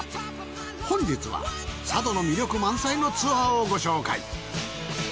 本日は佐渡の魅力満載のツアーをご紹介。